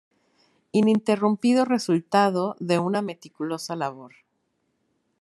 ininterrumpido resultado de una meticulosa labor